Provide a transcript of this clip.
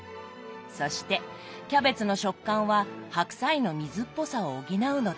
そしてキャベツの食感は白菜の水っぽさを補うのです。